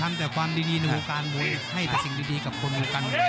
ทำแต่ความดีในวงการมวยให้แต่สิ่งดีกับคนวงการมวย